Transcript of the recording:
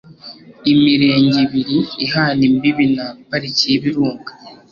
imirenge ibiri ihana imbibi na pariki y ibirunga